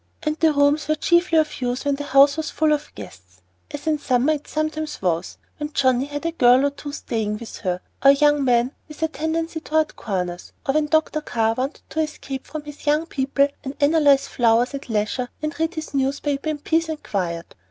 And the rooms were chiefly of use when the house was full of guests, as in the summer it sometimes was, when Johnnie had a girl or two staying with her, or a young man with a tendency toward corners, or when Dr. Carr wanted to escape from his young people and analyze flowers at leisure or read his newspaper in peace and quiet.